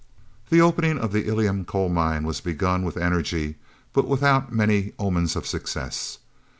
The opening of the Ilium coal mine was begun with energy, but without many omens of success.